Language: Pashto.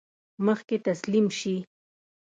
مخکې تسلیم شي.